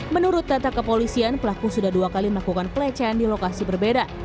menurut data kepolisian pelaku sudah dua kali melakukan pelecehan di lokasi berbeda